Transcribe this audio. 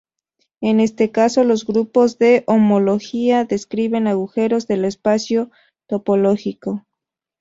En este caso, los grupos de homología describen agujeros del espacio topológico.